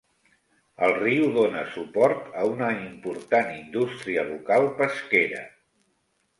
El riu dona suport a una important indústria local pesquera.